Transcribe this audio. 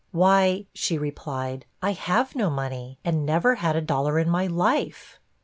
'Why,' she replied, 'I have no money, and never had a dollar in my life!'